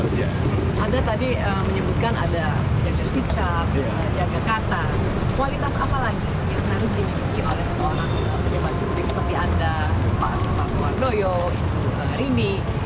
kualitas apa lagi yang harus dimiliki oleh seorang pejabat publik seperti anda pak pak mardoyo rini